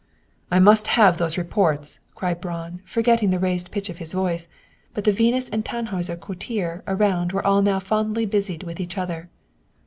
"I must have these reports!" cried Braun, forgetting the raised pitch of his voice, but the Venus and Tannhauser coterie around were all now fondly busied with each other.